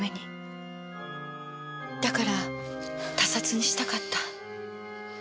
だから他殺にしたかった。